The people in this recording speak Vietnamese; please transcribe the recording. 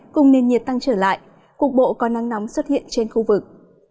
cùng nền nhiệt tăng trở lại cục bộ có nắng nóng xuất hiện trên khu vực